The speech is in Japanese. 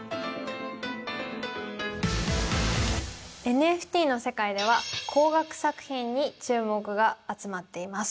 ＮＦＴの世界では高額作品に注目が集まっています。